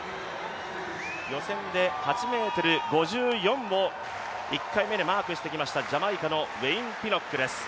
予選で８ｍ５４を１回目でマークしてきましたジャマイカのウェイン・ピノックです。